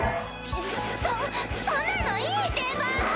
そそんなのいいってば！